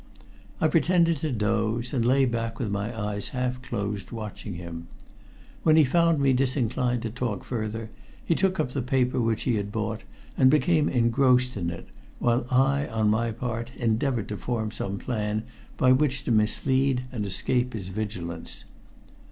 I pretended to doze, and lay back with my eyes half closed watching him. When he found me disinclined to talk further, he took up the paper he had bought and became engrossed in it, while I, on my part, endeavored to form some plan by which to mislead and escape his vigilance.